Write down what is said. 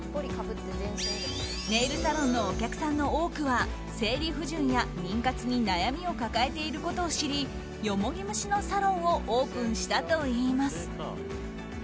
ネイルサロンのお客さんの多くは生理不順や妊活に悩みを抱えていることを知りよもぎ蒸しのサロンをオープンしたといいます。